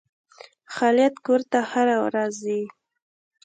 خالد کور ته هره ورځ ځي.